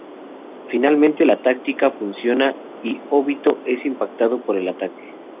Finalmente, la táctica funciona y Obito es impactado por el ataque.